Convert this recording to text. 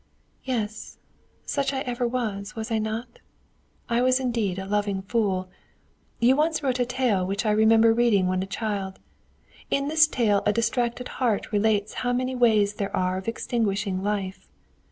"Yes, such I ever was, was I not? I was indeed a loving fool. You once wrote a tale which I remember reading when a child. In this tale a distracted heart relates how many ways there are of extinguishing life.